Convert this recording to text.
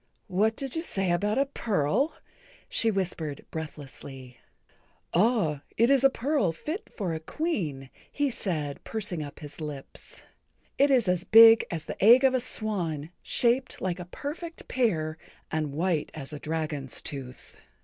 "What did you say about a pearl?" she whispered breathlessly. "Ah, it is a pearl fit for a Queen," he said, pursing up his lips. "It is big as the egg of a swan, shaped like a perfect pear and white as a dragon's tooth.